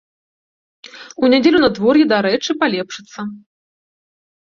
У нядзелю надвор'е, дарэчы, палепшыцца.